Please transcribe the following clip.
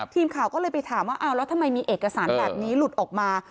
ทีมข่าวก็เลยไปถามว่าเอาแล้วทำไมมีเอกสารแบบนี้หลุดออกมา